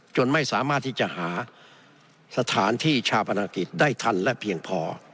ไม่สามารถที่จะหาสถานที่ชาปนกิจได้ทันและเพียงพอ